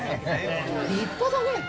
立派だねえ！